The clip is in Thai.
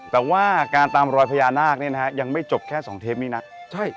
แต่ว่าการตามรอยพญานาคเนี่ยนะฮะยังไม่จบแค่๒เทปนี้นะ